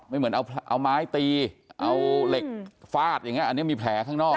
เหมือนเอาไม้ตีเอาเหล็กฟาดอย่างเงี้อันนี้มีแผลข้างนอก